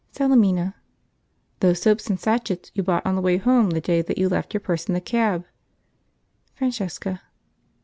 Salemina. "Those soaps and sachets you bought on the way home the day that you left your purse in the cab?" Francesca.